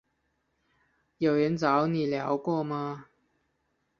有人找你聊过了吗？